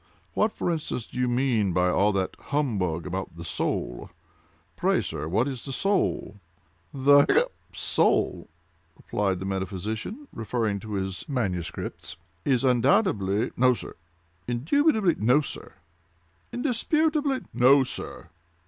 What, for instance, do you mean by all that humbug about the soul? Pray, sir, what is the soul?" "The—hiccup!—soul," replied the metaphysician, referring to his MS., "is undoubtedly—" "No, sir!" "Indubitably—" "No, sir!" "Indisputably—" "No, sir!"